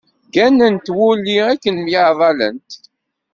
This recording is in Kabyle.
Gganent wulli akken myaɛdalent.